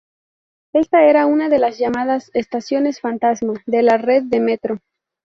Ésta era una de las llamadas "estaciones fantasma" de la red de Metro.